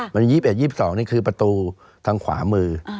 มัน๒๑๒๒คือประตูทางขวามือ